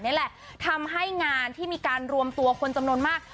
นี่แหละทำให้งานที่มีการรวมตัวคนจำนวนมาก